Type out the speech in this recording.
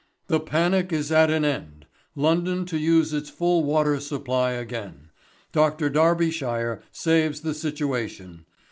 "The panic is at an end. London to use its full water supply again. Dr. Darbyshire saves the situation.